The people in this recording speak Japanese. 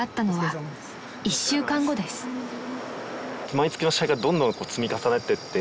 毎月の支払いがどんどん積み重なってって。